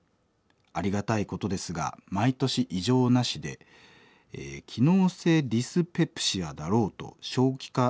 ありがたいことですが毎年異常なしで機能性ディスペプシアだろうと消化器内科で言われています。